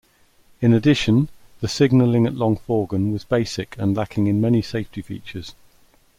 In addition, the signalling at Longforgan was basic and lacking in many safety features.